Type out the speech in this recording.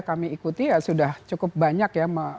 kami ikuti ya sudah cukup banyak ya